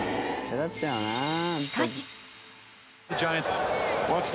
しかし。